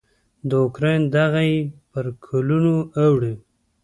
د اوکراین دغه یې پر کلونو اوړي.